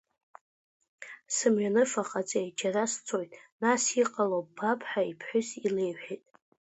Сымҩаныфа ҟаҵеи, џьара сцоит, нас иҟало ббап, ҳәа иԥҳәыс илеиҳәеит.